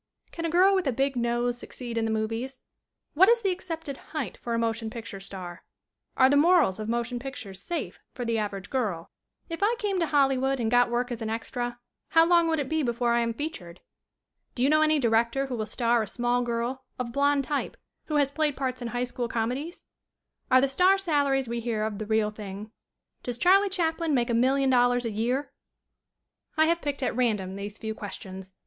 "Can a girl with a big nose succeed in the movies?" "What is the accepted height for a motion picture star ?" "Are the morals of motion pictures safe for the average girl?" "If I came to Hollywood and got work as an extra how long would it be before I am featured?" "Do you know any director who will star a small girl, of blond type, who has played parts in high school come dies?" "Are the star salaries we hear of the real thing?" "Does Charlie Chaplin make $1,000,000 a year?" I have picked at random these few questions.